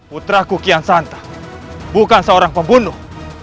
putraku kian santa bukan seorang pembunuh